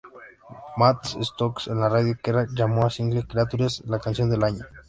Matt Stocks de la Radio Kerrang llamó al single "Creatures" la canción del año.